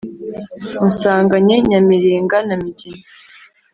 unsanganye nyamiringa, na migina